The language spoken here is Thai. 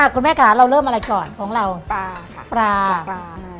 คุณแม่คะเราเริ่มอะไรก่อนของเราปลาปลา